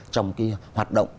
trong cái hoạt động